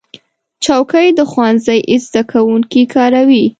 چوکۍ د ښوونځي زده کوونکي کاروي.